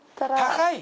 高い！